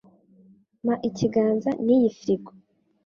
Mpa ikiganza niyi firigo.